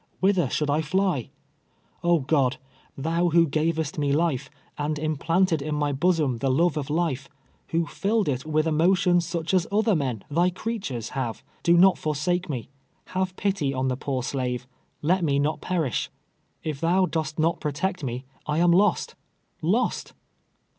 Whither should I fly ? Oh, God ! Thou who gavest me life, and imjdanted in my bosom the love of life — who filled it with emotions such as other men, thy creatures, have, do not foi"sake me. Have pity on the poor slave — let me not perish. If thou dost not protect me, I am lost — lost!